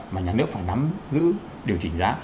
mà nhà nước phải nắm giữ điều chỉnh giá